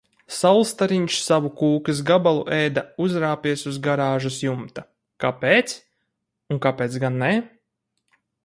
Saulstariņš savu kūkas gabalu ēda, uzrāpies uz garāžas jumta. Kāpēc? Un kāpēc gan nē?